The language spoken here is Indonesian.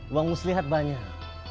uang muslihat banyak